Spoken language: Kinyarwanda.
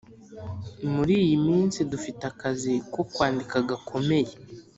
muriyi minsi dufite akazi ko kwandika gakomey